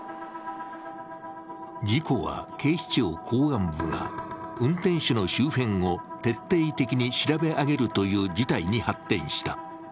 事故は警視庁公安部が運転手の周辺を徹底的に調べ上げるという事態に発展した。